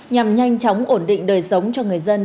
nhằm nhanh chóng ổn định đời sống cho người dân